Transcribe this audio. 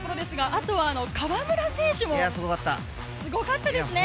あと河村選手もすごかったですね。